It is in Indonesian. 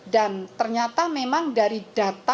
dan ternyata memang dari data yang kami perhatikan